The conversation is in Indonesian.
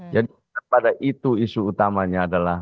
jadi pada itu isu utamanya adalah